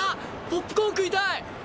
ポップコーン食いたい！